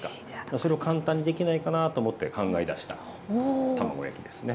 それを簡単にできないかなと思って考え出した卵焼きですね。